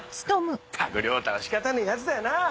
ったく亮太は仕方ねえヤツだよな。